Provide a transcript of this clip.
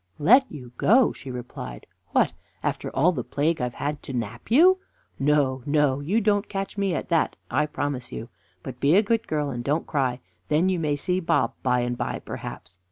"Let you go!" she replied; "what, after all the plague I've had to knap you? No, no, you don't catch me at that, I promise you; but be a good girl, and don't cry, and then you may see Bob by and by, perhaps."